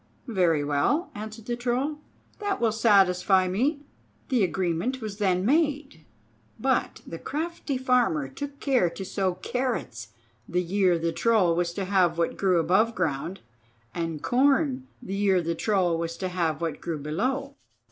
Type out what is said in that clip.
"Very well," answered the Troll; "that will satisfy me." The agreement was then made; but the crafty Farmer took care to sow carrots the year the Troll was to have what grew above ground, and corn the year the Troll was to have what grew below.